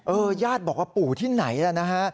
ญาติบอกว่าปู่ที่ไหนล่ะนะฮะ